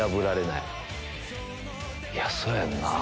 いやそやんな。